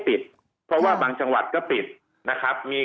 ทางประกันสังคมก็จะสามารถเข้าไปช่วยจ่ายเงินสมทบให้๖๒